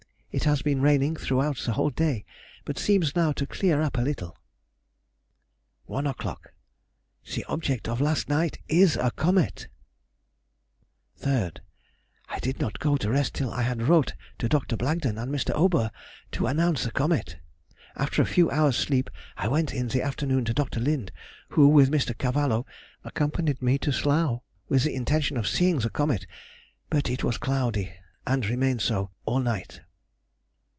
It has been raining throughout the whole day, but seems now to clear up a little. 1 o'clock.—The object of last night is a comet. 3rd.—I did not go to rest till I had wrote to Dr. Blagden and Mr. Aubert to announce the comet. After a few hours' sleep, I went in the afternoon to Dr. Lind, who, with Mr. Cavallo, accompanied me to Slough, with the intention of seeing the comet, but it was cloudy, and remained so all night.